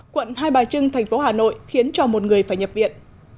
quận hai bà trưng thành phố hà nội khiến cho một người phải nhập viện